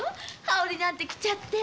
羽織なんか着ちゃって？